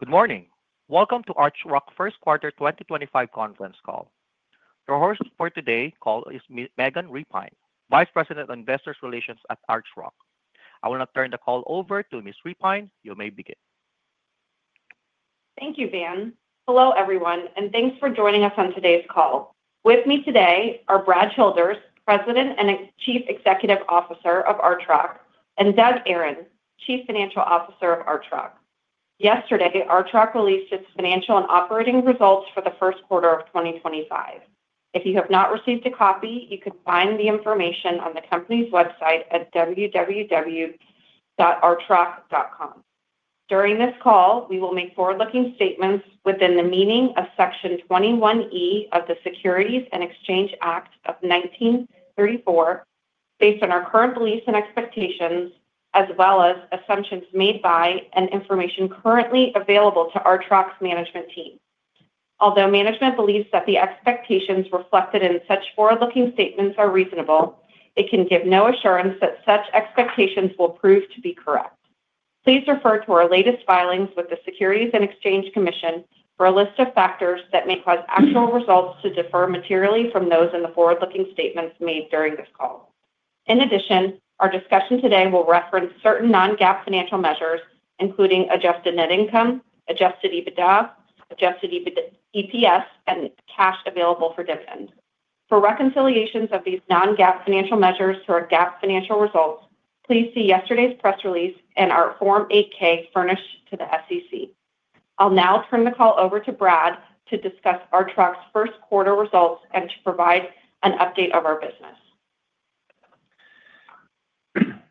Good morning. Welcome to Archrock First Quarter 2025 conference call. Your host for today's call is Ms. Megan Repine, Vice President of Investor Relations at Archrock. I will now turn the call over to Ms. Repine. You may begin. Thank you, Van. Hello, everyone, and thanks for joining us on today's call. With me today are Brad Childers, President and Chief Executive Officer of Archrock, and Doug Aron, Chief Financial Officer of Archrock. Yesterday, Archrock released its financial and operating results for the first quarter of 2025. If you have not received a copy, you can find the information on the company's website at www.archrock.com. During this call, we will make forward-looking statements within the meaning of Section 21(e) of the Securities and Exchange Act of 1934, based on our current beliefs and expectations, as well as assumptions made by and information currently available to Archrock's management team. Although management believes that the expectations reflected in such forward-looking statements are reasonable, it can give no assurance that such expectations will prove to be correct. Please refer to our latest filings with the Securities and Exchange Commission for a list of factors that may cause actual results to differ materially from those in the forward-looking statements made during this call. In addition, our discussion today will reference certain non-GAAP financial measures, including adjusted net income, adjusted EBITDA, adjusted EPS, and cash available for dividend. For reconciliations of these non-GAAP financial measures to our GAAP financial results, please see yesterday's press release and our Form 8K furnished to the SEC. I'll now turn the call over to Brad to discuss Archrock's first quarter results and to provide an update of our business.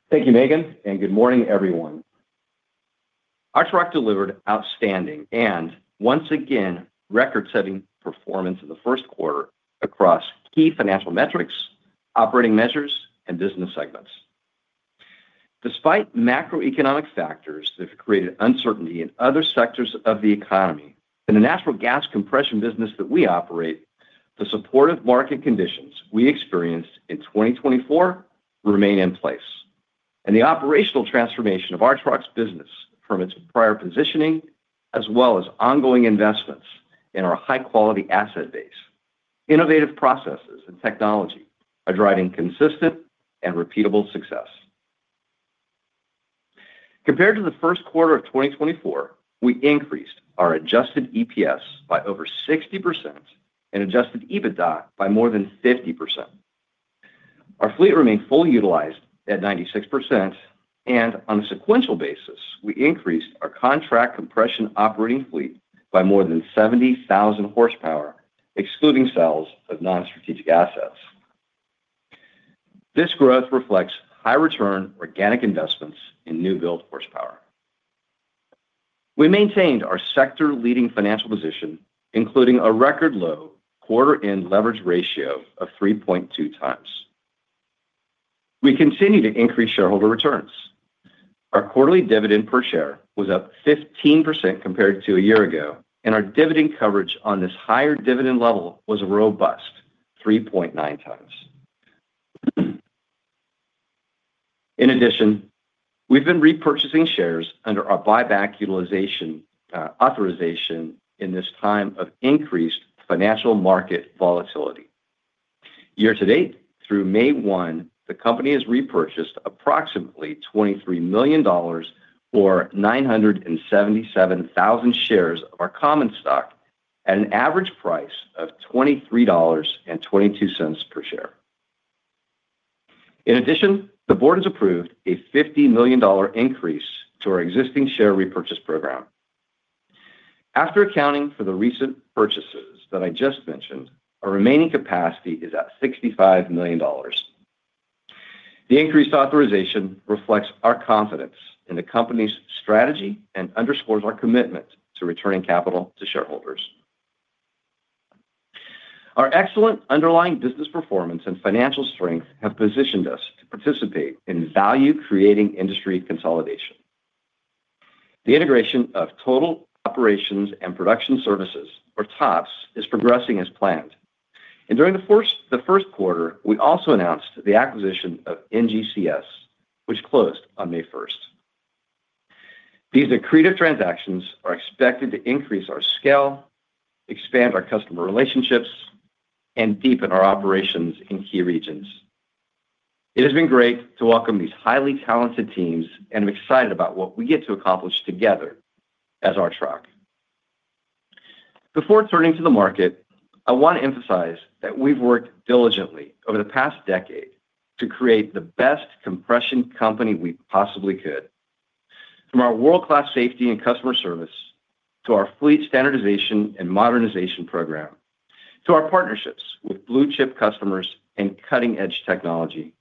Thank you, Megan, and good morning, everyone. Archrock delivered outstanding and, once again, record-setting performance in the first quarter across key financial metrics, operating measures, and business segments. Despite macroeconomic factors that have created uncertainty in other sectors of the economy, in the natural gas compression business that we operate, the supportive market conditions we experienced in 2024 remain in place. The operational transformation of Archrock's business, from its prior positioning, as well as ongoing investments in our high-quality asset base, innovative processes, and technology, are driving consistent and repeatable success. Compared to the first quarter of 2024, we increased our adjusted EPS by over 60% and adjusted EBITDA by more than 50%. Our fleet remained fully utilized at 96%, and on a sequential basis, we increased our contract compression operating fleet by more than 70,000 horsepower, excluding sales of non-strategic assets. This growth reflects high-return, organic investments in new-build horsepower. We maintained our sector-leading financial position, including a record-low quarter-end leverage ratio of 3.2 times. We continue to increase shareholder returns. Our quarterly dividend per share was up 15% compared to a year ago, and our dividend coverage on this higher dividend level was a robust 3.9 times. In addition, we've been repurchasing shares under our buyback authorization in this time of increased financial market volatility. Year-to-date, through May 1, the company has repurchased approximately $23 million, or 977,000 shares of our common stock, at an average price of $23.22 per share. In addition, the board has approved a $50 million increase to our existing share repurchase program. After accounting for the recent purchases that I just mentioned, our remaining capacity is at $65 million. The increased authorization reflects our confidence in the company's strategy and underscores our commitment to returning capital to shareholders. Our excellent underlying business performance and financial strength have positioned us to participate in value-creating industry consolidation. The integration of Total Operations and Production Services, or TOPS, is progressing as planned. During the first quarter, we also announced the acquisition of NGCS, which closed on May 1. These accretive transactions are expected to increase our scale, expand our customer relationships, and deepen our operations in key regions. It has been great to welcome these highly talented teams, and I'm excited about what we get to accomplish together as Archrock. Before turning to the market, I want to emphasize that we've worked diligently over the past decade to create the best compression company we possibly could. From our world-class safety and customer service, to our fleet standardization and modernization program, to our partnerships with blue-chip customers and cutting-edge technology,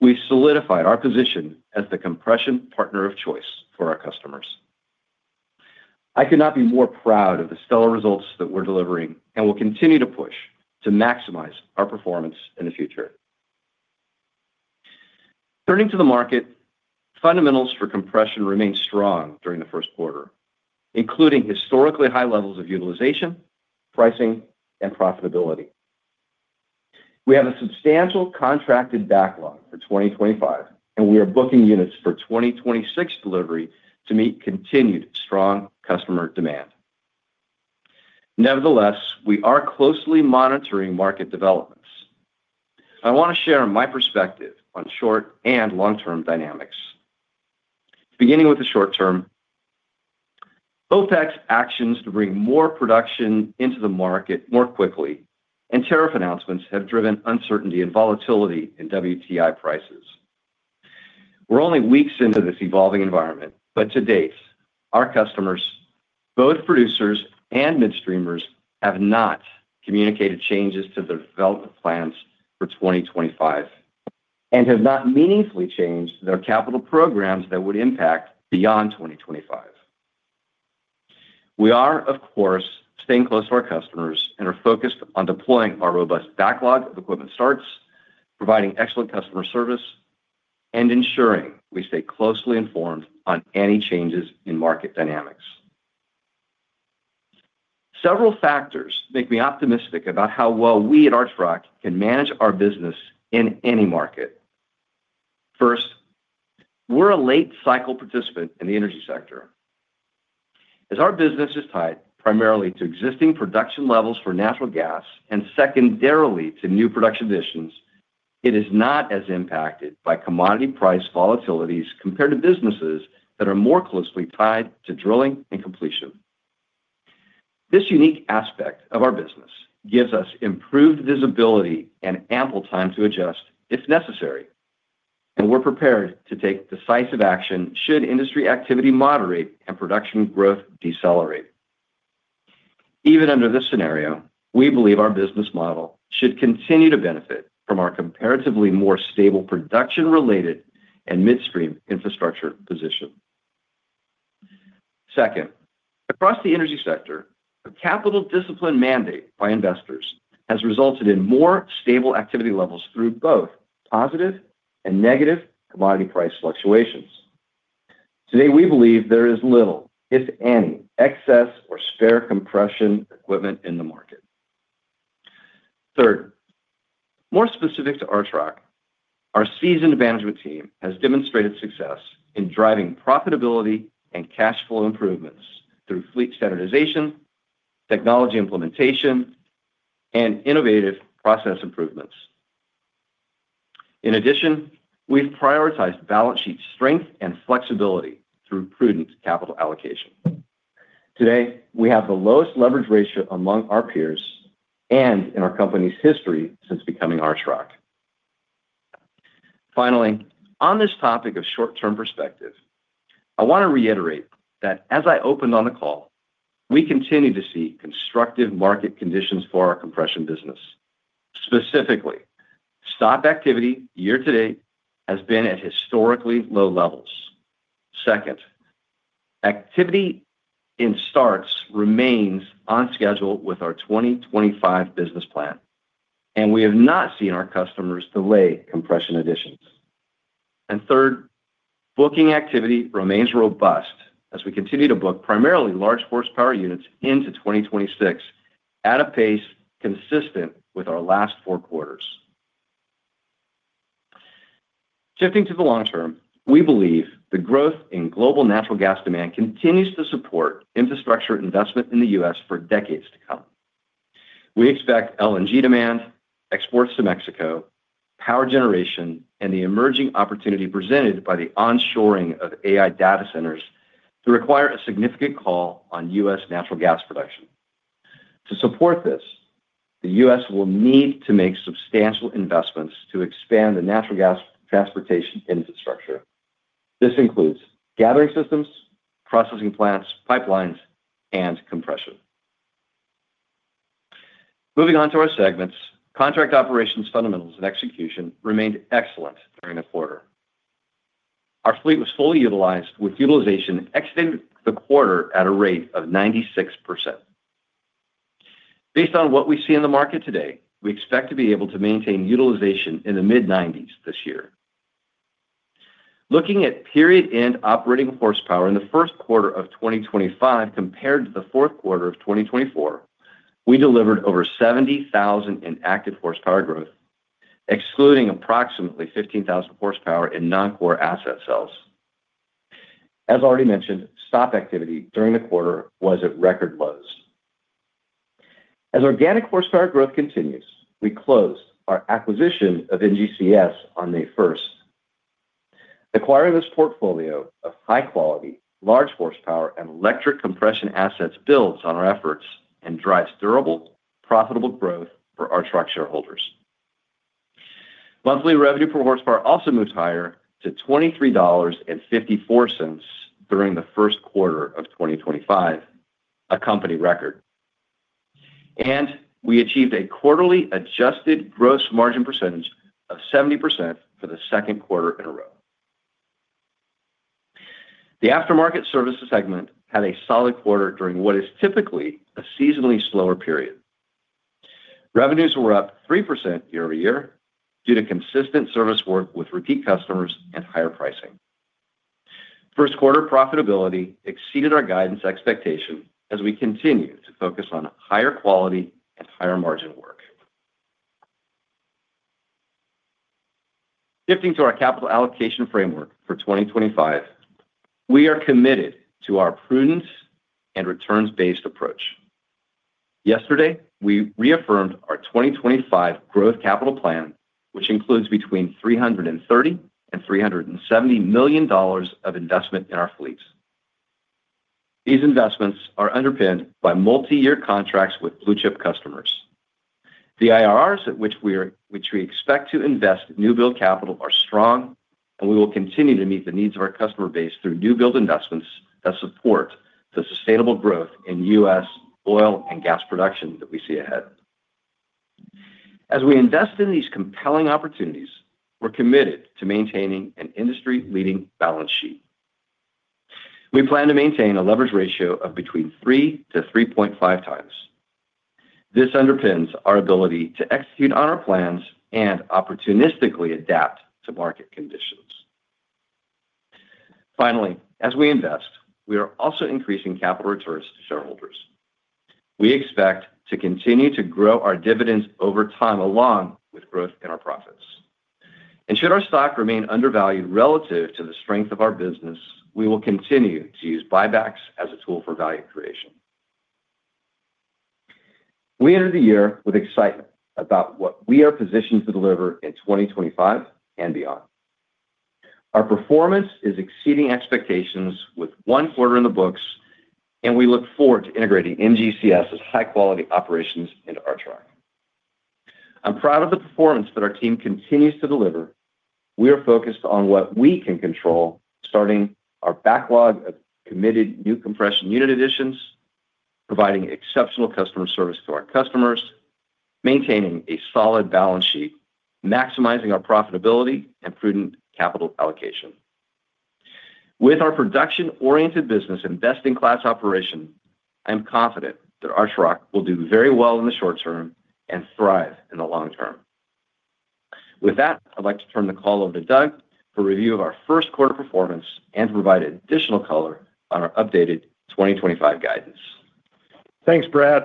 we have solidified our position as the compression partner of choice for our customers. I could not be more proud of the stellar results that we are delivering and will continue to push to maximize our performance in the future. Turning to the market, fundamentals for compression remained strong during the first quarter, including historically high levels of utilization, pricing, and profitability. We have a substantial contracted backlog for 2025, and we are booking units for 2026 delivery to meet continued strong customer demand. Nevertheless, we are closely monitoring market developments. I want to share my perspective on short and long-term dynamics. Beginning with the short term, OPEC's actions to bring more production into the market more quickly and tariff announcements have driven uncertainty and volatility in WTI prices. We're only weeks into this evolving environment, but to date, our customers, both producers and midstreamers, have not communicated changes to their development plans for 2025 and have not meaningfully changed their capital programs that would impact beyond 2025. We are, of course, staying close to our customers and are focused on deploying our robust backlog of equipment starts, providing excellent customer service, and ensuring we stay closely informed on any changes in market dynamics. Several factors make me optimistic about how well we at Archrock can manage our business in any market. First, we're a late-cycle participant in the energy sector. As our business is tied primarily to existing production levels for natural gas and secondarily to new production additions, it is not as impacted by commodity price volatilities compared to businesses that are more closely tied to drilling and completion. This unique aspect of our business gives us improved visibility and ample time to adjust if necessary, and we're prepared to take decisive action should industry activity moderate and production growth decelerate. Even under this scenario, we believe our business model should continue to benefit from our comparatively more stable production-related and midstream infrastructure position. Second, across the energy sector, a capital discipline mandate by investors has resulted in more stable activity levels through both positive and negative commodity price fluctuations. Today, we believe there is little, if any, excess or spare compression equipment in the market. Third, more specific to Archrock, our seasoned management team has demonstrated success in driving profitability and cash flow improvements through fleet standardization, technology implementation, and innovative process improvements. In addition, we've prioritized balance sheet strength and flexibility through prudent capital allocation. Today, we have the lowest leverage ratio among our peers and in our company's history since becoming Archrock. Finally, on this topic of short-term perspective, I want to reiterate that as I opened on the call, we continue to see constructive market conditions for our compression business. Specifically, stock activity year-to-date has been at historically low levels. Second, activity in starts remains on schedule with our 2025 business plan, and we have not seen our customers delay compression additions. Third, booking activity remains robust as we continue to book primarily large horsepower units into 2026 at a pace consistent with our last four quarters. Shifting to the long term, we believe the growth in global natural gas demand continues to support infrastructure investment in the U.S. for decades to come. We expect LNG demand, exports to Mexico, power generation, and the emerging opportunity presented by the onshoring of AI data centers to require a significant call on U.S. natural gas production. To support this, the U.S. will need to make substantial investments to expand the natural gas transportation infrastructure. This includes gathering systems, processing plants, pipelines, and compression. Moving on to our segments, contract operations, fundamentals, and execution remained excellent during the quarter. Our fleet was fully utilized, with utilization exiting the quarter at a rate of 96%. Based on what we see in the market today, we expect to be able to maintain utilization in the mid-90% this year. Looking at period-end operating horsepower in the first quarter of 2025 compared to the fourth quarter of 2024, we delivered over 70,000 in active horsepower growth, excluding approximately 15,000 horsepower in non-core asset sales. As already mentioned, stock activity during the quarter was at record lows. As organic horsepower growth continues, we closed our acquisition of NGCS on May 1. Acquiring this portfolio of high-quality, large horsepower and electric compression assets builds on our efforts and drives durable, profitable growth for Archrock shareholders. Monthly revenue per horsepower also moved higher to $23.54 during the first quarter of 2025, a company record. We achieved a quarterly adjusted gross margin percentage of 70% for the second quarter in a row. The aftermarket services segment had a solid quarter during what is typically a seasonally slower period. Revenues were up 3% year-over-year due to consistent service work with repeat customers and higher pricing. First quarter profitability exceeded our guidance expectation as we continue to focus on higher quality and higher margin work. Shifting to our capital allocation framework for 2025, we are committed to our prudent and returns-based approach. Yesterday, we reaffirmed our 2025 growth capital plan, which includes between $330 million and $370 million of investment in our fleets. These investments are underpinned by multi-year contracts with blue-chip customers. The IRRs at which we expect to invest new-build capital are strong, and we will continue to meet the needs of our customer base through new-build investments that support the sustainable growth in U.S. oil and gas production that we see ahead. As we invest in these compelling opportunities, we're committed to maintaining an industry-leading balance sheet. We plan to maintain a leverage ratio of between 3-3.5 times. This underpins our ability to execute on our plans and opportunistically adapt to market conditions. Finally, as we invest, we are also increasing capital returns to shareholders. We expect to continue to grow our dividends over time along with growth in our profits. Should our stock remain undervalued relative to the strength of our business, we will continue to use buybacks as a tool for value creation. We entered the year with excitement about what we are positioned to deliver in 2025 and beyond. Our performance is exceeding expectations with one quarter in the books, and we look forward to integrating NGCS's high-quality operations into Archrock. I'm proud of the performance that our team continues to deliver. We are focused on what we can control, starting our backlog of committed new compression unit additions, providing exceptional customer service to our customers, maintaining a solid balance sheet, maximizing our profitability, and prudent capital allocation. With our production-oriented business and best-in-class operation, I'm confident that Archrock will do very well in the short term and thrive in the long term. With that, I'd like to turn the call over to Doug for review of our first quarter performance and to provide additional color on our updated 2025 guidance. Thanks, Brad.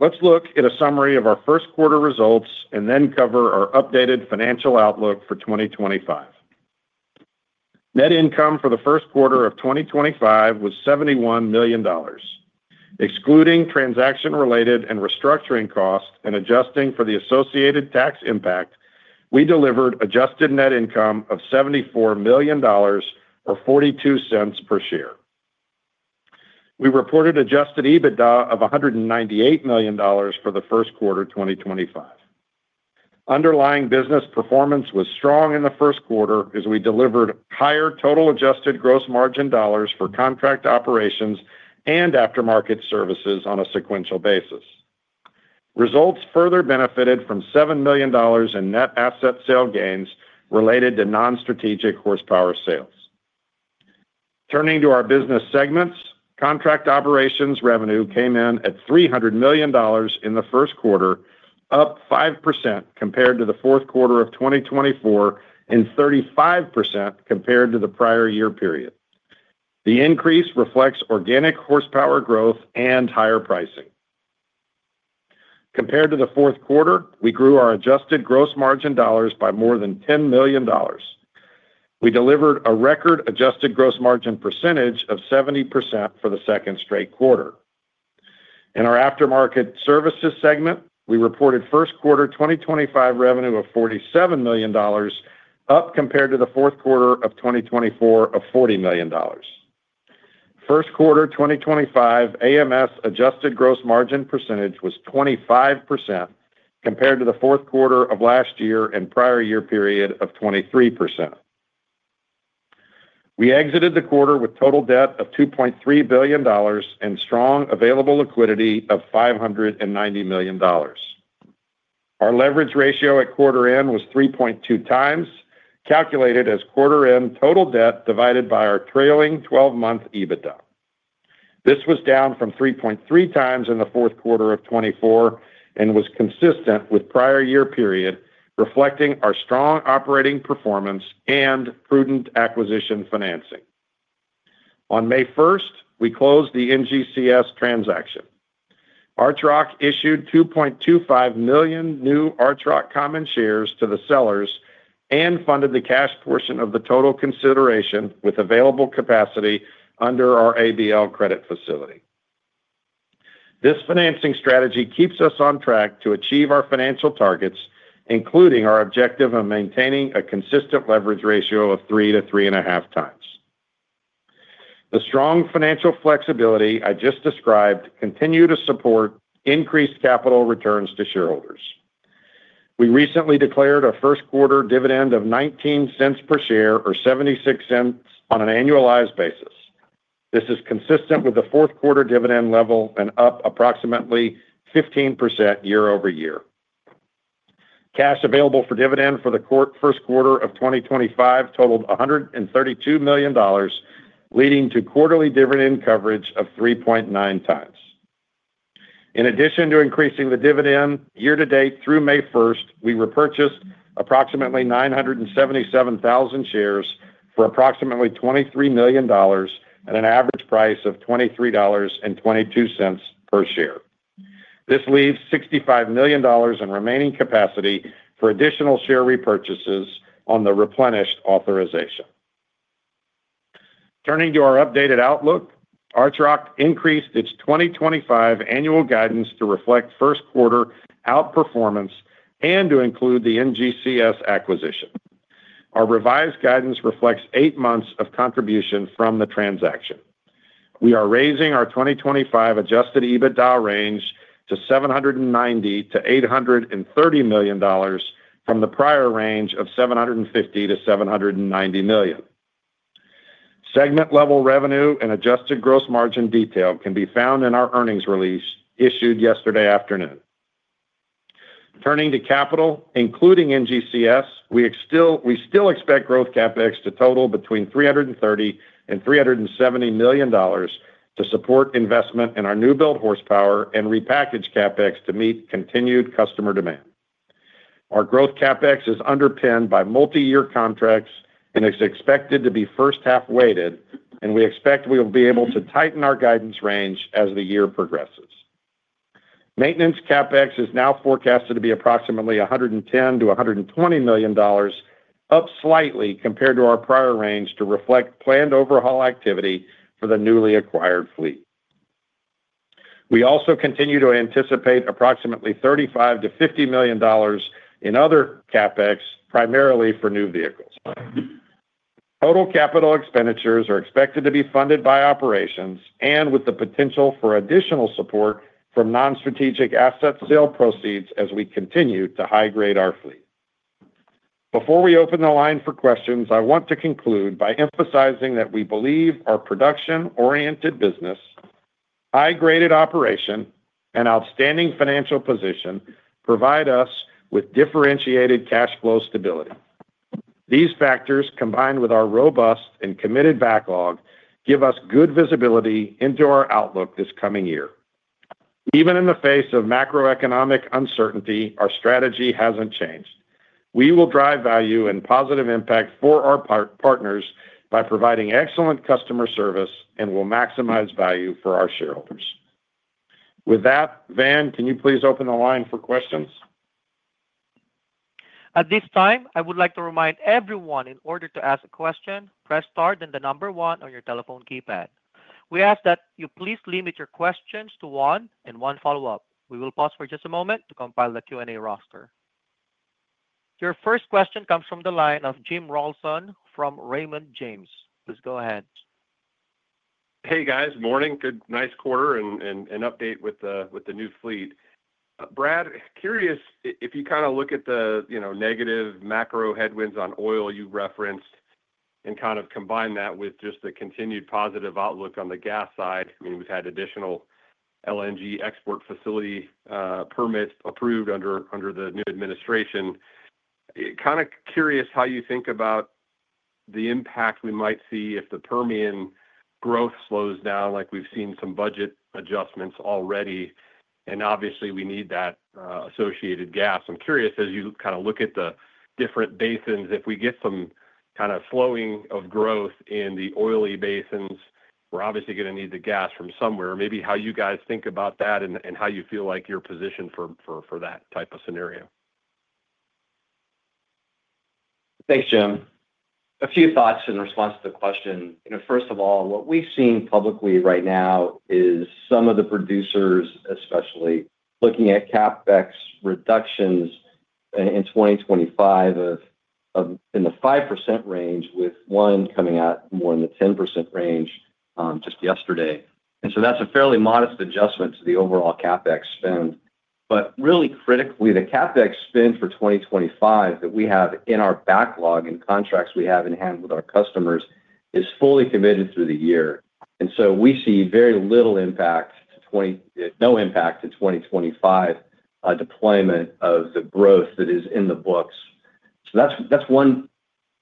Let's look at a summary of our first quarter results and then cover our updated financial outlook for 2025. Net income for the first quarter of 2025 was $71 million. Excluding transaction-related and restructuring costs and adjusting for the associated tax impact, we delivered adjusted net income of $74 million or $0.42 per share. We reported adjusted EBITDA of $198 million for the first quarter 2025. Underlying business performance was strong in the first quarter as we delivered higher total adjusted gross margin dollars for contract operations and aftermarket services on a sequential basis. Results further benefited from $7 million in net asset sale gains related to non-strategic horsepower sales. Turning to our business segments, contract operations revenue came in at $300 million in the first quarter, up 5% compared to the fourth quarter of 2024 and 35% compared to the prior year period. The increase reflects organic horsepower growth and higher pricing. Compared to the fourth quarter, we grew our adjusted gross margin dollars by more than $10 million. We delivered a record adjusted gross margin percentage of 70% for the second straight quarter. In our aftermarket services segment, we reported first quarter 2025 revenue of $47 million, up compared to the fourth quarter of 2024 of $40 million. First quarter 2025 AMS adjusted gross margin percentage was 25% compared to the fourth quarter of last year and prior year period of 23%. We exited the quarter with total debt of $2.3 billion and strong available liquidity of $590 million. Our leverage ratio at quarter-end was 3.2 times, calculated as quarter-end total debt divided by our trailing 12-month EBITDA. This was down from 3.3 times in the fourth quarter of 2024 and was consistent with prior year period, reflecting our strong operating performance and prudent acquisition financing. On May 1st, we closed the NGCS transaction. Archrock issued 2.25 million new Archrock common shares to the sellers and funded the cash portion of the total consideration with available capacity under our ABL credit facility. This financing strategy keeps us on track to achieve our financial targets, including our objective of maintaining a consistent leverage ratio of 3-3.5 times. The strong financial flexibility I just described continued to support increased capital returns to shareholders. We recently declared a first quarter dividend of $0.19 per share or $0.76 on an annualized basis. This is consistent with the fourth quarter dividend level and up approximately 15% year-over-year. Cash available for dividend for the first quarter of 2025 totaled $132 million, leading to quarterly dividend coverage of 3.9 times. In addition to increasing the dividend year-to-date through May 1, we repurchased approximately 977,000 shares for approximately $23 million at an average price of $23.22 per share. This leaves $65 million in remaining capacity for additional share repurchases on the replenished authorization. Turning to our updated outlook, Archrock increased its 2025 annual guidance to reflect first quarter outperformance and to include the NGCS acquisition. Our revised guidance reflects eight months of contribution from the transaction. We are raising our 2025 adjusted EBITDA range to $790-$830 million from the prior range of $750-$790 million. Segment-level revenue and adjusted gross margin detail can be found in our earnings release issued yesterday afternoon. Turning to capital, including NGCS, we still expect growth CapEx to total between $330-$370 million to support investment in our new-build horsepower and repackage CapEx to meet continued customer demand. Our growth CapEx is underpinned by multi-year contracts and is expected to be first-half weighted, and we expect we will be able to tighten our guidance range as the year progresses. Maintenance CapEx is now forecasted to be approximately $110-$120 million, up slightly compared to our prior range to reflect planned overhaul activity for the newly acquired fleet. We also continue to anticipate approximately $35-$50 million in other CapEx, primarily for new vehicles. Total capital expenditures are expected to be funded by operations and with the potential for additional support from non-strategic asset sale proceeds as we continue to high-grade our fleet. Before we open the line for questions, I want to conclude by emphasizing that we believe our production-oriented business, high-graded operation, and outstanding financial position provide us with differentiated cash flow stability. These factors, combined with our robust and committed backlog, give us good visibility into our outlook this coming year. Even in the face of macroeconomic uncertainty, our strategy hasn't changed. We will drive value and positive impact for our partners by providing excellent customer service and will maximize value for our shareholders. With that, Van, can you please open the line for questions? At this time, I would like to remind everyone in order to ask a question, press star and the number one on your telephone keypad. We ask that you please limit your questions to one and one follow-up. We will pause for just a moment to compile the Q&A roster. Your first question comes from the line of Jim Rollyson from Raymond James. Please go ahead. Hey, guys. Morning. Good, nice quarter and update with the new fleet. Brad, curious if you kind of look at the negative macro headwinds on oil you referenced and kind of combine that with just the continued positive outlook on the gas side. I mean, we've had additional LNG export facility permits approved under the new administration. Kind of curious how you think about the impact we might see if the Permian growth slows down, like we've seen some budget adjustments already, and obviously we need that associated gas. I'm curious, as you kind of look at the different basins, if we get some kind of slowing of growth in the oily basins, we're obviously going to need the gas from somewhere. Maybe how you guys think about that and how you feel like you're positioned for that type of scenario. Thanks, Jim. A few thoughts in response to the question. First of all, what we've seen publicly right now is some of the producers, especially looking at CapEx reductions in 2025, in the 5% range with one coming out more in the 10% range just yesterday. That's a fairly modest adjustment to the overall CapEx spend. Really critically, the CapEx spend for 2025 that we have in our backlog and contracts we have in hand with our customers is fully committed through the year. We see very little impact, no impact to 2025 deployment of the growth that is in the books. That is one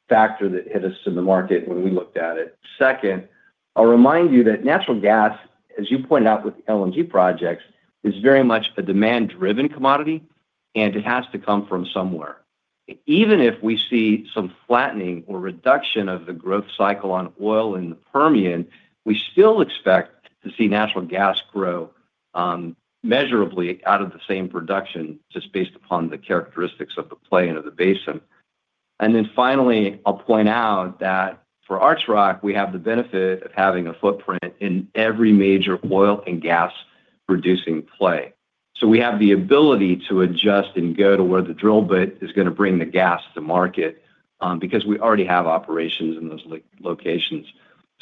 factor that hit us in the market when we looked at it. Second, I will remind you that natural gas, as you point out with the LNG projects, is very much a demand-driven commodity, and it has to come from somewhere. Even if we see some flattening or reduction of the growth cycle on oil in the Permian, we still expect to see natural gas grow measurably out of the same production just based upon the characteristics of the play and of the basin. Finally, I will point out that for Archrock, we have the benefit of having a footprint in every major oil and gas-producing play. We have the ability to adjust and go to where the drill bit is going to bring the gas to market because we already have operations in those locations.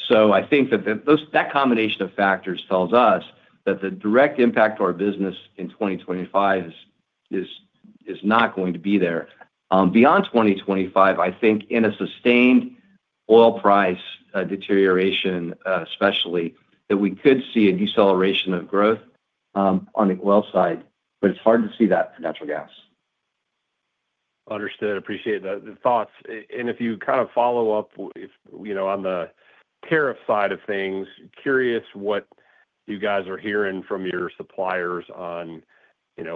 I think that that combination of factors tells us that the direct impact to our business in 2025 is not going to be there. Beyond 2025, I think in a sustained oil price deterioration, especially, that we could see a deceleration of growth on the oil side, but it is hard to see that for natural gas. Understood. Appreciate the thoughts. If you kind of follow up on the tariff side of things, curious what you guys are hearing from your suppliers on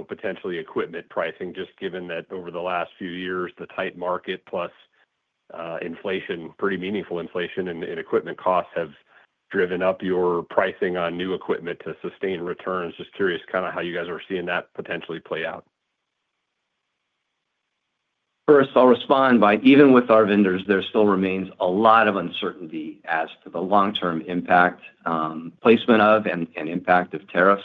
potentially equipment pricing, just given that over the last few years, the tight market plus inflation, pretty meaningful inflation in equipment costs have driven up your pricing on new equipment to sustain returns. Just curious kind of how you guys are seeing that potentially play out. First, I'll respond by even with our vendors, there still remains a lot of uncertainty as to the long-term impact placement of and impact of tariffs.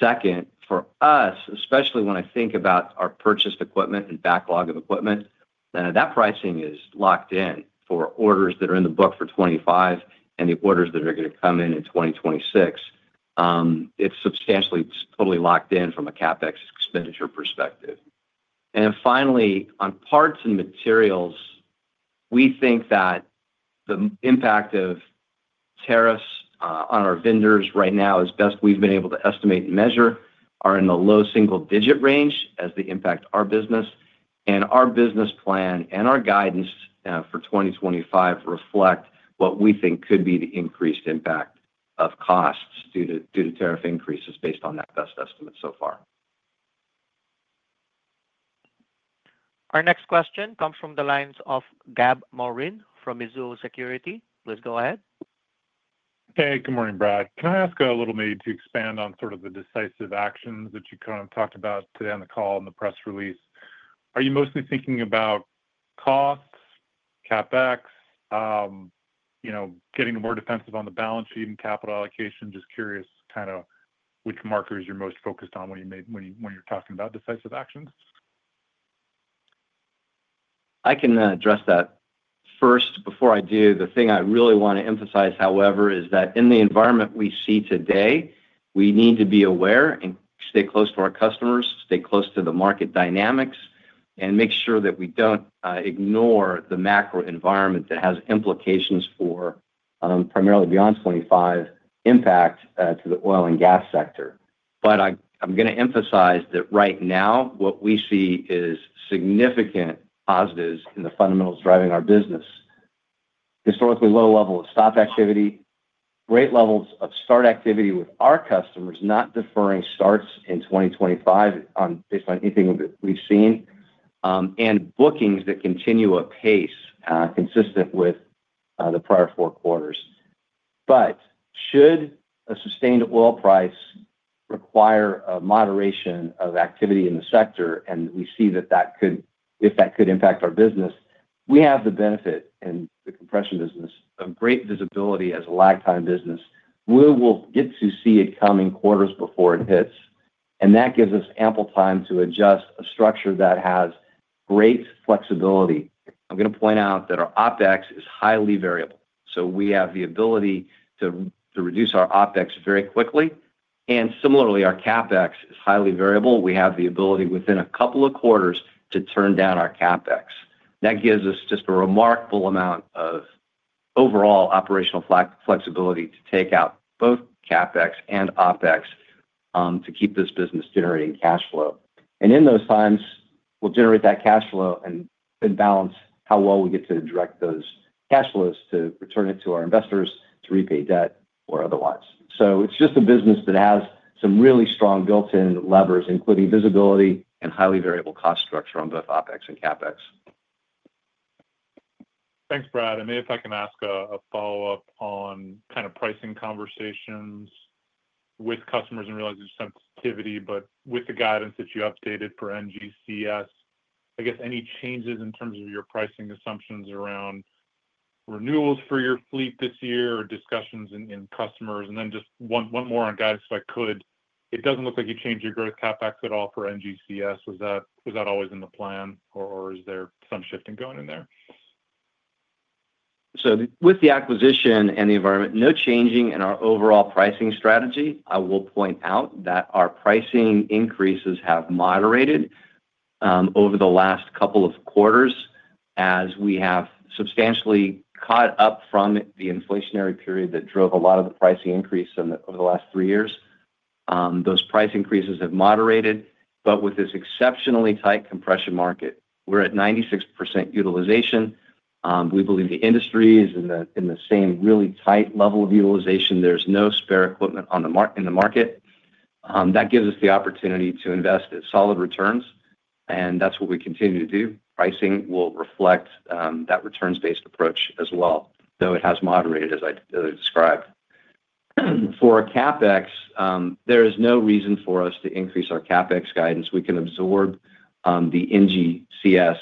Second, for us, especially when I think about our purchased equipment and backlog of equipment, that pricing is locked in for orders that are in the book for 2025 and the orders that are going to come in in 2026. It's substantially totally locked in from a CapEx expenditure perspective. Finally, on parts and materials, we think that the impact of tariffs on our vendors right now, as best we've been able to estimate and measure, are in the low single-digit range as they impact our business. Our business plan and our guidance for 2025 reflect what we think could be the increased impact of costs due to tariff increases based on that best estimate so far. Our next question comes from the lines of Gab Moreen from Mizuho Securities. Please go ahead. Hey, good morning, Brad. Can I ask a little maybe to expand on sort of the decisive actions that you kind of talked about today on the call and the press release? Are you mostly thinking about costs, CapEx, getting more defensive on the balance sheet and capital allocation? Just curious kind of which markers you're most focused on when you're talking about decisive actions. I can address that. First, before I do, the thing I really want to emphasize, however, is that in the environment we see today, we need to be aware and stay close to our customers, stay close to the market dynamics, and make sure that we do not ignore the macro environment that has implications for primarily beyond 2025 impact to the oil and gas sector. I am going to emphasize that right now, what we see is significant positives in the fundamentals driving our business. Historically low level of stock activity, great levels of start activity with our customers, not deferring starts in 2025 based on anything that we have seen, and bookings that continue a pace consistent with the prior four quarters. Should a sustained oil price require a moderation of activity in the sector, and we see that that could, if that could impact our business, we have the benefit in the compression business of great visibility as a lagtime business. We will get to see it coming quarters before it hits, and that gives us ample time to adjust a structure that has great flexibility. I am going to point out that our OpEx is highly variable. We have the ability to reduce our OpEx very quickly. Similarly, our CapEx is highly variable. We have the ability within a couple of quarters to turn down our CapEx. That gives us just a remarkable amount of overall operational flexibility to take out both CapEx and OpEx to keep this business generating cash flow. In those times, we'll generate that cash flow and balance how well we get to direct those cash flows to return it to our investors, to repay debt, or otherwise. It's just a business that has some really strong built-in levers, including visibility and highly variable cost structure on both OpEx and CapEx. Thanks, Brad. Maybe if I can ask a follow-up on kind of pricing conversations with customers and realizing sensitivity, but with the guidance that you updated for NGCS, I guess any changes in terms of your pricing assumptions around renewals for your fleet this year or discussions in customers? One more on guidance, if I could. It doesn't look like you changed your growth CapEx at all for NGCS. Was that always in the plan, or is there some shifting going in there? With the acquisition and the environment, no changing in our overall pricing strategy. I will point out that our pricing increases have moderated over the last couple of quarters as we have substantially caught up from the inflationary period that drove a lot of the pricing increase over the last three years. Those price increases have moderated, but with this exceptionally tight compression market, we're at 96% utilization. We believe the industry is in the same really tight level of utilization. There's no spare equipment in the market. That gives us the opportunity to invest at solid returns, and that's what we continue to do. Pricing will reflect that returns-based approach as well, though it has moderated, as I described. For CapEx, there is no reason for us to increase our CapEx guidance. We can absorb the NGCS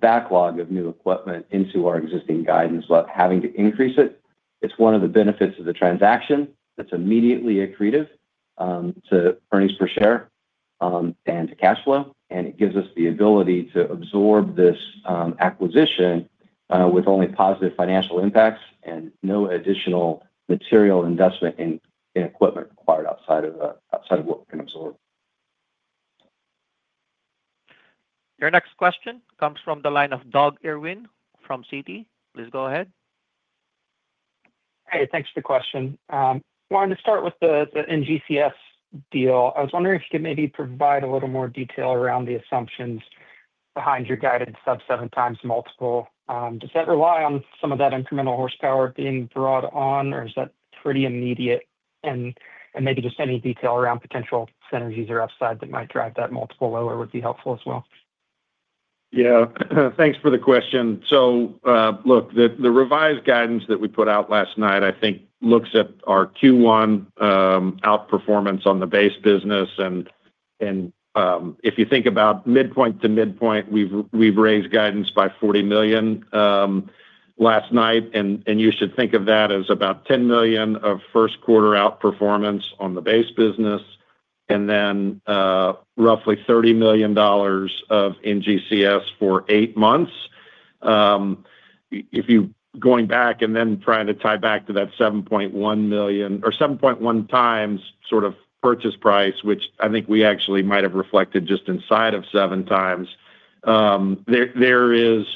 backlog of new equipment into our existing guidance without having to increase it. It's one of the benefits of the transaction. It's immediately accretive to earnings per share and to cash flow, and it gives us the ability to absorb this acquisition with only positive financial impacts and no additional material investment in equipment required outside of what we can absorb. Your next question comes from the line of Doug Irwin from Citi. Please go ahead. Hey, thanks for the question. Wanted to start with the NGCS deal. I was wondering if you could maybe provide a little more detail around the assumptions behind your guided sub-seven times multiple. Does that rely on some of that incremental horsepower being brought on, or is that pretty immediate? Maybe just any detail around potential synergies or upside that might drive that multiple lower would be helpful as well. Yeah. Thanks for the question. Look, the revised guidance that we put out last night, I think, looks at our Q1 outperformance on the base business. If you think about midpoint to midpoint, we have raised guidance by $40 million last night, and you should think of that as about $10 million of first-quarter outperformance on the base business, and then roughly $30 million of NGCS for eight months. If you are going back and then trying to tie back to that 7.1 times sort of purchase price, which I think we actually might have reflected just inside of seven times, there is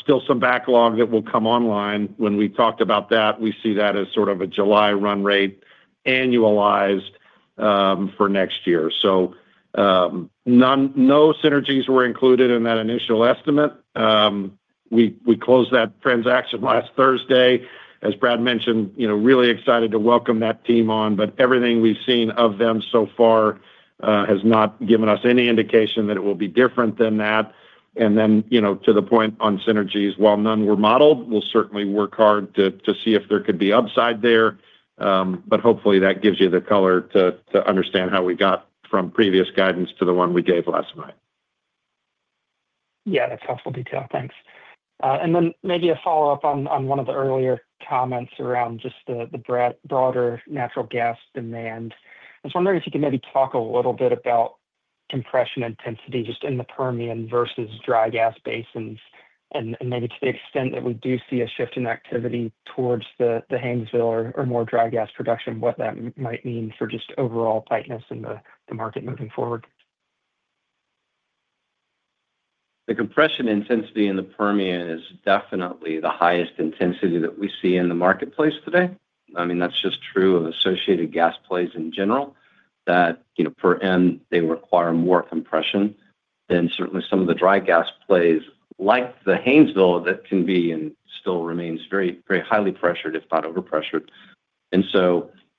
still some backlog that will come online. When we talked about that, we see that as sort of a July run rate annualized for next year. No synergies were included in that initial estimate. We closed that transaction last Thursday. As Brad mentioned, really excited to welcome that team on, but everything we have seen of them so far has not given us any indication that it will be different than that. To the point on synergies, while none were modeled, we will certainly work hard to see if there could be upside there. Hopefully, that gives you the color to understand how we got from previous guidance to the one we gave last night. Yeah, that is helpful detail. Thanks. Maybe a follow-up on one of the earlier comments around just the broader natural gas demand. I was wondering if you could maybe talk a little bit about compression intensity just in the Permian versus dry gas basins, and maybe to the extent that we do see a shift in activity towards the Haynesville or more dry gas production, what that might mean for just overall tightness in the market moving forward. The compression intensity in the Permian is definitely the highest intensity that we see in the marketplace today. I mean, that's just true of associated gas plays in general, that per end, they require more compression than certainly some of the dry gas plays like the Haynesville that can be and still remains very highly pressured, if not overpressured.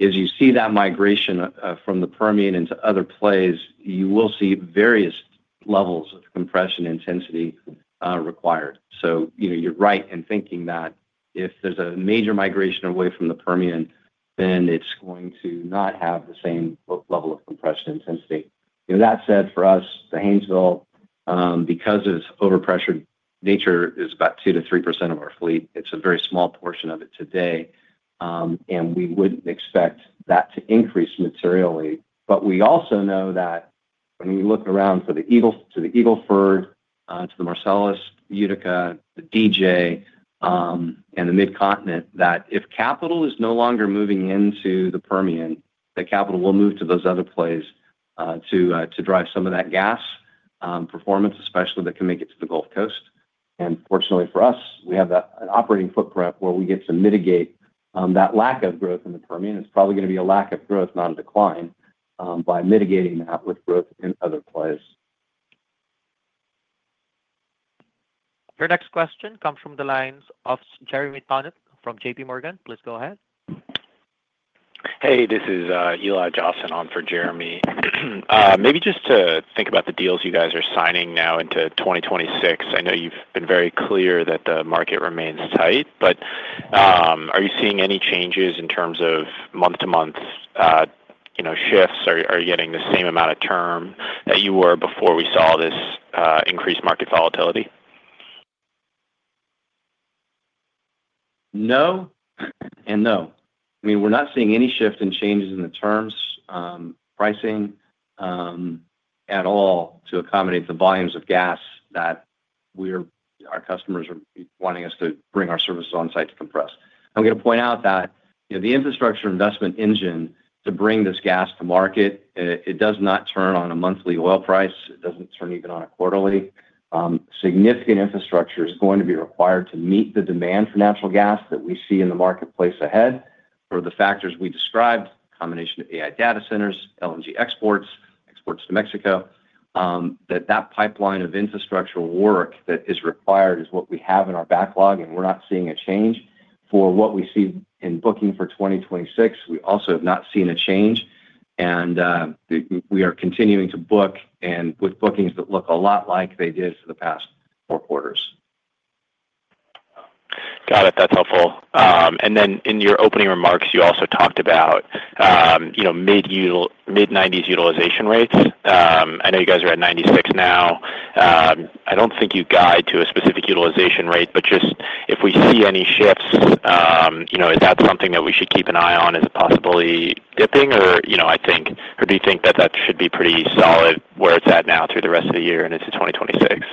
As you see that migration from the Permian into other plays, you will see various levels of compression intensity required. You're right in thinking that if there's a major migration away from the Permian, then it's going to not have the same level of compression intensity. That said, for us, the Haynesville, because of its overpressured nature, is about 2-3% of our fleet. It's a very small portion of it today, and we wouldn't expect that to increase materially. We also know that when we look around to the Eagle Ford, to the Marcellus, Utica, the DJ Basin, and the Midcontinent, if capital is no longer moving into the Permian, that capital will move to those other plays to drive some of that gas performance, especially that can make it to the Gulf Coast. Fortunately for us, we have an operating footprint where we get to mitigate that lack of growth in the Permian. It's probably going to be a lack of growth, not a decline, by mitigating that with growth in other plays. Your next question comes from the lines of Jeremy Tonic from JP Morgan. Please go ahead. Hey, this is Eli Johnson on for Jeremy. Maybe just to think about the deals you guys are signing now into 2026. I know you've been very clear that the market remains tight, but are you seeing any changes in terms of month-to-month shifts? Are you getting the same amount of term that you were before we saw this increased market volatility? No and no. I mean, we're not seeing any shift in changes in the terms pricing at all to accommodate the volumes of gas that our customers are wanting us to bring our services on site to compress. I'm going to point out that the infrastructure investment engine to bring this gas to market, it does not turn on a monthly oil price. It does not turn even on a quarterly. Significant infrastructure is going to be required to meet the demand for natural gas that we see in the marketplace ahead for the factors we described, a combination of AI data centers, LNG exports, exports to Mexico. That pipeline of infrastructure work that is required is what we have in our backlog, and we're not seeing a change for what we see in booking for 2026. We also have not seen a change, and we are continuing to book with bookings that look a lot like they did for the past four quarters. Got it. That's helpful. In your opening remarks, you also talked about mid-90% utilization rates. I know you guys are at 96% now. I do not think you guide to a specific utilization rate, but just if we see any shifts, is that something that we should keep an eye on as a possibility dipping? Or do you think that that should be pretty solid where it is at now through the rest of the year and into 2026?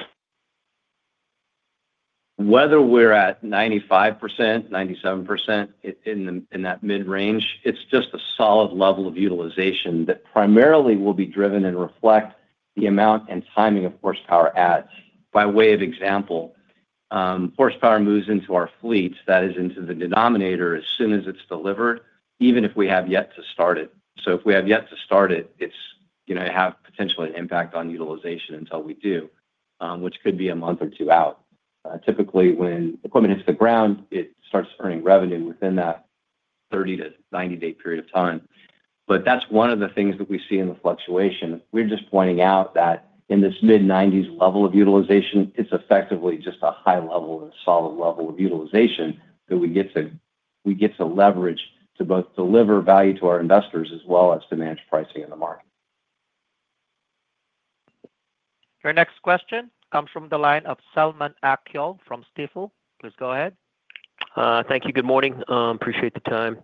Whether we are at 95%, 97% in that mid-range, it is just a solid level of utilization that primarily will be driven and reflect the amount and timing of horsepower adds. By way of example, horsepower moves into our fleets, that is, into the denominator as soon as it is delivered, even if we have yet to start it. If we have yet to start it, it is going to have potentially an impact on utilization until we do, which could be a month or two out. Typically, when equipment hits the ground, it starts earning revenue within that 30-90 day period of time. That is one of the things that we see in the fluctuation. We are just pointing out that in this mid-90s level of utilization, it is effectively just a high level and a solid level of utilization that we get to leverage to both deliver value to our investors as well as to manage pricing in the market. Your next question comes from the line of Selman Akyol from Stifel. Please go ahead. Thank you. Good morning. Appreciate the time.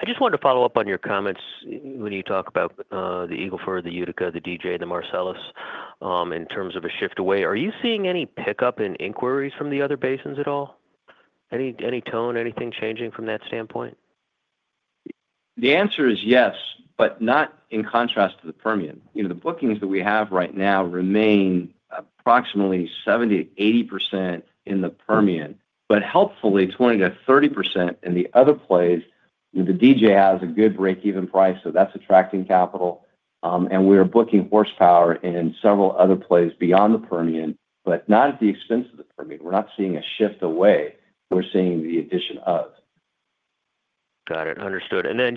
I just wanted to follow up on your comments when you talk about the Eagle Ford, the Utica, the DJ Basin, and the Marcellus in terms of a shift away. Are you seeing any pickup in inquiries from the other basins at all? Any tone, anything changing from that standpoint? The answer is yes, but not in contrast to the Permian. The bookings that we have right now remain approximately 70-80% in the Permian, but helpfully, 20-30% in the other plays. The DJ has a good break-even price, so that's attracting capital. And we are booking horsepower in several other plays beyond the Permian, but not at the expense of the Permian. We're not seeing a shift away. We're seeing the addition of. Got it. Understood. Can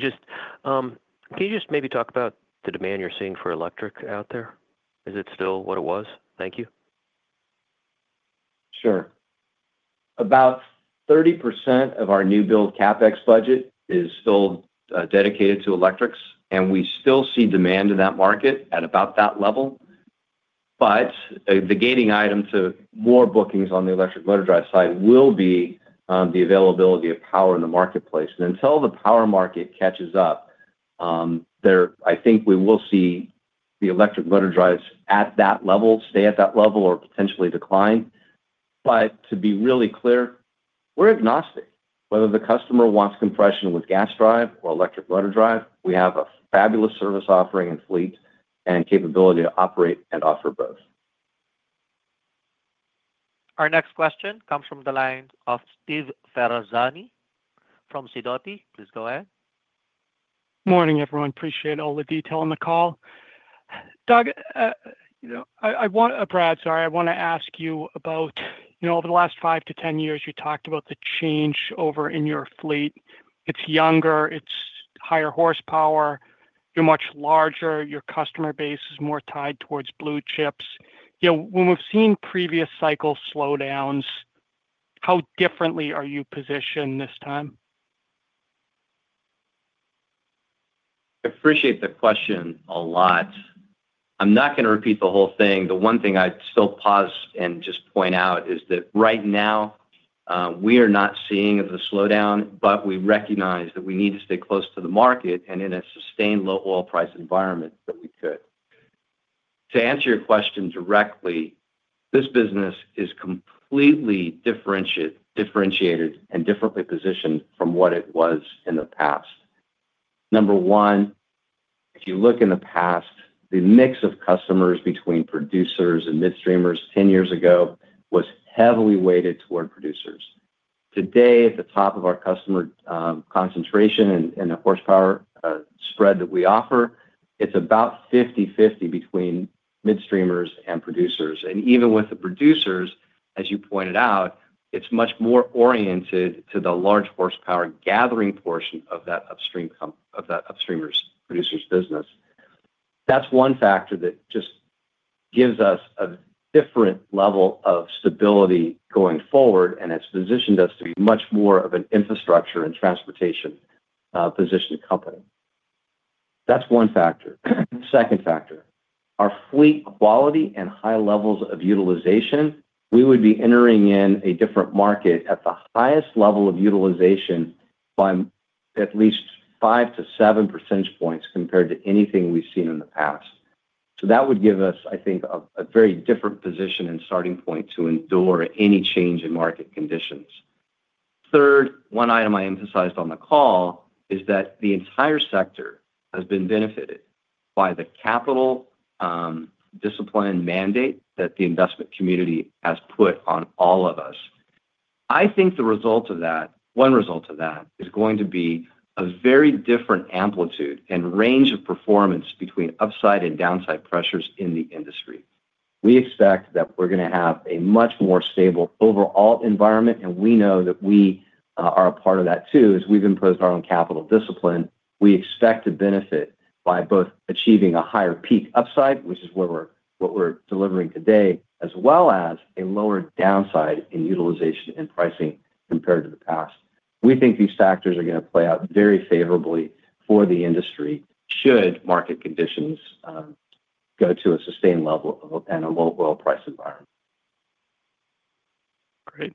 you just maybe talk about the demand you're seeing for electric out there? Is it still what it was? Thank you. Sure. About 30% of our new-build CapEx budget is still dedicated to electrics, and we still see demand in that market at about that level. The gating item to more bookings on the electric motor drive side will be the availability of power in the marketplace. Until the power market catches up, I think we will see the electric motor drives at that level stay at that level or potentially decline. To be really clear, we're agnostic. Whether the customer wants compression with gas drive or electric motor drive, we have a fabulous service offering and fleet and capability to operate and offer both. Our next question comes from the line of Steve Ferazani from Sidoti. Please go ahead. Morning, everyone. Appreciate all the detail on the call. Doug, I want—I'm Brad, sorry. I want to ask you about, over the last 5 to 10 years, you talked about the change over in your fleet. It's younger. It's higher horsepower. You're much larger. Your customer base is more tied towards blue chips. When we've seen previous cycle slowdowns, how differently are you positioned this time? I appreciate the question a lot. I'm not going to repeat the whole thing. The one thing I'd still pause and just point out is that right now, we are not seeing the slowdown, but we recognize that we need to stay close to the market and in a sustained low oil price environment that we could. To answer your question directly, this business is completely differentiated and differently positioned from what it was in the past. Number one, if you look in the past, the mix of customers between producers and midstreamers 10 years ago was heavily weighted toward producers. Today, at the top of our customer concentration and the horsepower spread that we offer, it's about 50/50 between midstreamers and producers. Even with the producers, as you pointed out, it's much more oriented to the large horsepower gathering portion of that upstreamers' producers' business. That's one factor that just gives us a different level of stability going forward, and it's positioned us to be much more of an infrastructure and transportation-positioned company. That's one factor. Second factor, our fleet quality and high levels of utilization, we would be entering in a different market at the highest level of utilization by at least 5-7 percentage points compared to anything we've seen in the past. That would give us, I think, a very different position and starting point to endure any change in market conditions. Third, one item I emphasized on the call is that the entire sector has been benefited by the capital discipline mandate that the investment community has put on all of us. I think the result of that, one result of that, is going to be a very different amplitude and range of performance between upside and downside pressures in the industry. We expect that we're going to have a much more stable overall environment, and we know that we are a part of that too. As we've imposed our own capital discipline, we expect to benefit by both achieving a higher peak upside, which is what we're delivering today, as well as a lower downside in utilization and pricing compared to the past. We think these factors are going to play out very favorably for the industry should market conditions go to a sustained level and a low oil price environment. Great.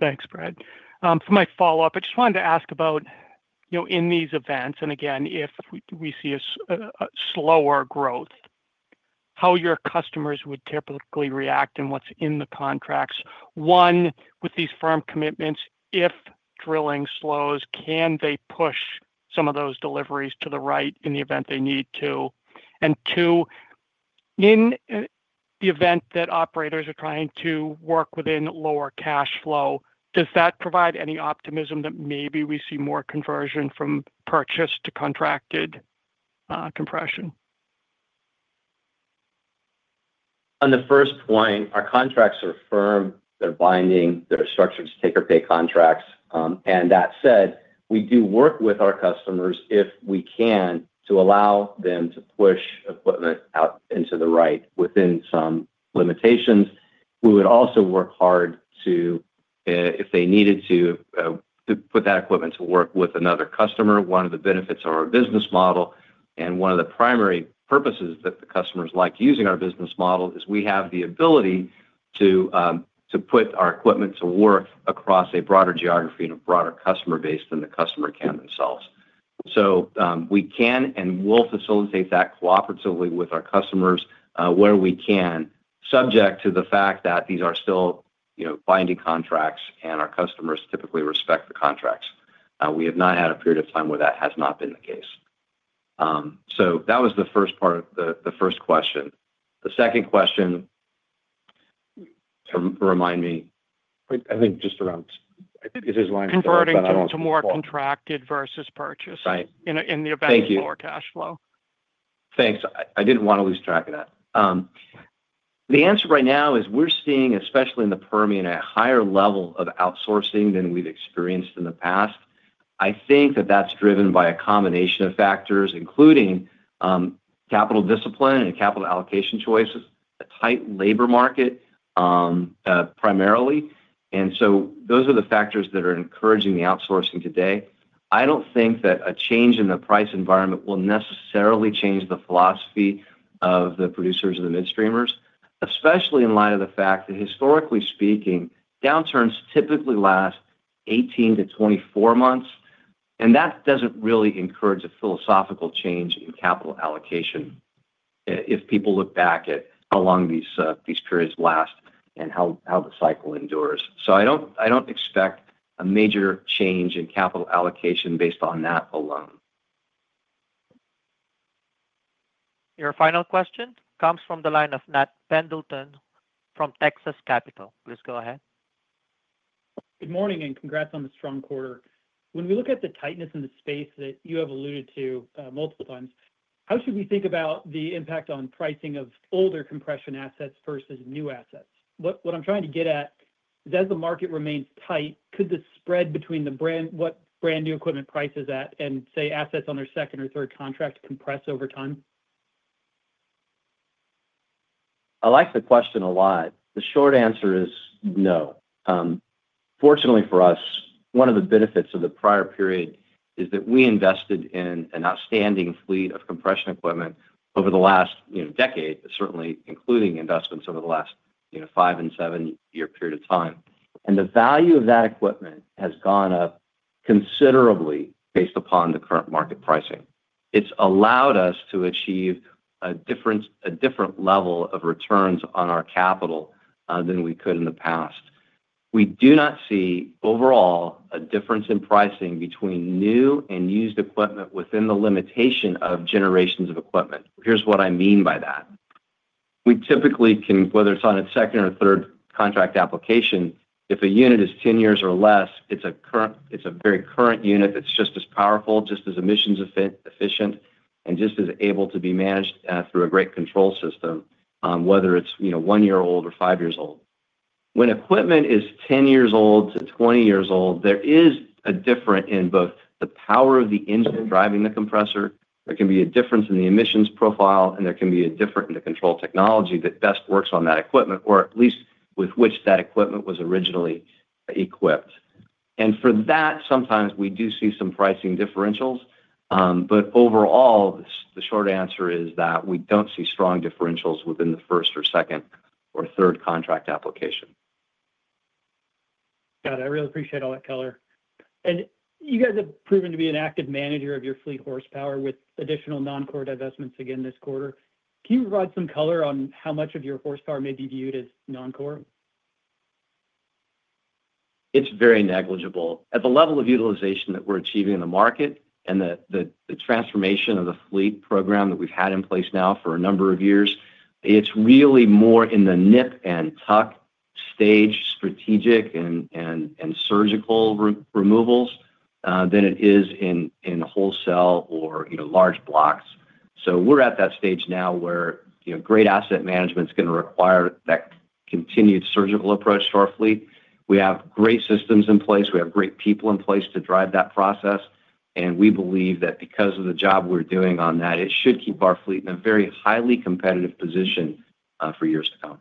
Thanks, Brad. For my follow-up, I just wanted to ask about, in these events, and again, if we see a slower growth, how your customers would typically react and what is in the contracts. One, with these firm commitments, if drilling slows, can they push some of those deliveries to the right in the event they need to? Two, in the event that operators are trying to work within lower cash flow, does that provide any optimism that maybe we see more conversion from purchased to contracted compression? On the first point, our contracts are firm. They are binding. They are structured to take-or-pay contracts. That said, we do work with our customers if we can to allow them to push equipment out into the right within some limitations. We would also work hard to, if they needed to, put that equipment to work with another customer. One of the benefits of our business model and one of the primary purposes that the customers like using our business model is we have the ability to put our equipment to work across a broader geography and a broader customer base than the customer can themselves. We can and will facilitate that cooperatively with our customers where we can, subject to the fact that these are still binding contracts and our customers typically respect the contracts. We have not had a period of time where that has not been the case. That was the first part of the first question. The second question, remind me. I think just around, is his line for confirming to more contracted versus purchased in the event of lower cash flow? Thank you. Thanks. I did not want to lose track of that. The answer right now is we're seeing, especially in the Permian, a higher level of outsourcing than we've experienced in the past. I think that that's driven by a combination of factors, including capital discipline and capital allocation choices, a tight labor market primarily. Those are the factors that are encouraging the outsourcing today. I don't think that a change in the price environment will necessarily change the philosophy of the producers and the midstreamers, especially in light of the fact that, historically speaking, downturns typically last 18 to 24 months, and that doesn't really encourage a philosophical change in capital allocation if people look back at how long these periods last and how the cycle endures. I don't expect a major change in capital allocation based on that alone. Your final question comes from the line of Nat Pendleton from Texas Capital. Please go ahead. Good morning and congrats on the strong quarter. When we look at the tightness in the space that you have alluded to multiple times, how should we think about the impact on pricing of older compression assets versus new assets? What I'm trying to get at is, as the market remains tight, could the spread between what brand new equipment price is at and, say, assets on their second or third contract compress over time? I like the question a lot. The short answer is no. Fortunately for us, one of the benefits of the prior period is that we invested in an outstanding fleet of compression equipment over the last decade, certainly including investments over the last five and seven-year period of time. The value of that equipment has gone up considerably based upon the current market pricing. It's allowed us to achieve a different level of returns on our capital than we could in the past. We do not see overall a difference in pricing between new and used equipment within the limitation of generations of equipment. Here's what I mean by that. We typically can, whether it's on a second or third contract application, if a unit is 10 years or less, it's a very current unit that's just as powerful, just as emissions efficient, and just as able to be managed through a great control system, whether it's one year old or five years old. When equipment is 10 years old to 20 years old, there is a difference in both the power of the engine driving the compressor. There can be a difference in the emissions profile, and there can be a difference in the control technology that best works on that equipment, or at least with which that equipment was originally equipped. For that, sometimes we do see some pricing differentials. Overall, the short answer is that we do not see strong differentials within the first or second or third contract application. Got it. I really appreciate all that color. You guys have proven to be an active manager of your fleet horsepower with additional non-core divestments again this quarter. Can you provide some color on how much of your horsepower may be viewed as non-core? It is very negligible. At the level of utilization that we're achieving in the market and the transformation of the fleet program that we've had in place now for a number of years, it's really more in the nip and tuck stage, strategic and surgical removals than it is in wholesale or large blocks. We are at that stage now where great asset management is going to require that continued surgical approach to our fleet. We have great systems in place. We have great people in place to drive that process. We believe that because of the job we're doing on that, it should keep our fleet in a very highly competitive position for years to come.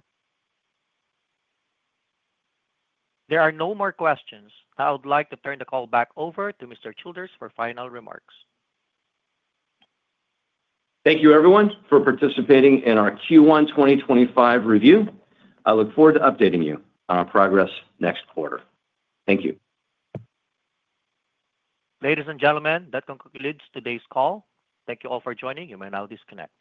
There are no more questions. I would like to turn the call back over to Mr. Childers for final remarks. Thank you, everyone, for participating in our Q1 2025 review. I look forward to updating you on our progress next quarter. Thank you. Ladies and gentlemen, that concludes today's call. Thank you all for joining. You may now disconnect.